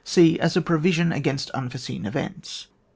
{c) As a provision against unforeseen events.